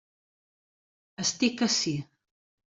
Estic ací!